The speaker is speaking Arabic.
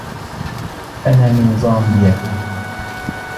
أنا من زامبيا.